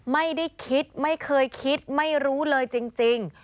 ไม่ได้คิดไม่เคยคิดไม่รู้เลยจริง